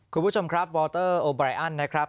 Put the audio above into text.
คุณผู้ชมครับวอเตอร์โอไบรอันนะครับ